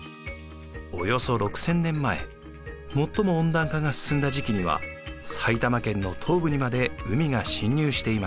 およそ６，０００年前最も温暖化が進んだ時期には埼玉県の東部にまで海が侵入していました。